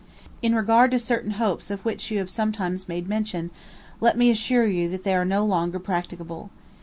In regard to certain hopes of which you have sometimes made mention, let me assure you they are no longer practicable.